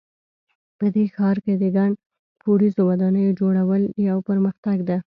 په دې ښار کې د ګڼ پوړیزو ودانیو جوړول یو پرمختګ ده